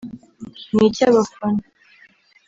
ni icy’abafana